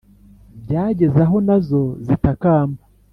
Byageze aho nazo zitakamba